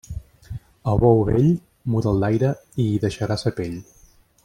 A bou vell, muda'l d'aire i hi deixarà sa pell.